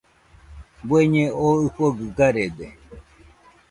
Bueñe oo ɨfogɨ garede.